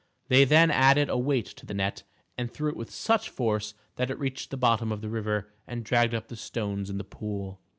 They then added a weight to the net, and threw it with such force that it reached the bottom of the river, and dragged up the stones in the pool.